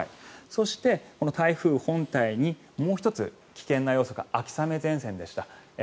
そして、台風本体にもう１つ危険な要素が秋雨前線でした。